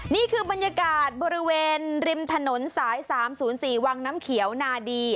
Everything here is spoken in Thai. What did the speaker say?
นี่คือบรรยากาศบริเวณริมถนนสาย๓๐๔วังน้ำเขียวนาดี